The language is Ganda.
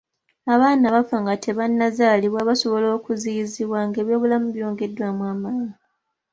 Abaana abafa nga tebannazaalibwa basobola okuziyizibwa ng'ebyobulamu byongeddwamu amaanyi